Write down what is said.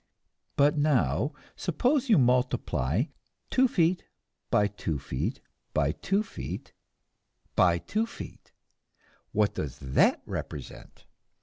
But now, suppose you multiply two feet by two feet by two feet by two feet, what does that represent?